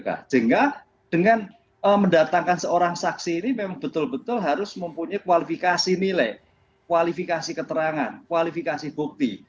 sehingga dengan mendatangkan seorang saksi ini memang betul betul harus mempunyai kualifikasi nilai kualifikasi keterangan kualifikasi bukti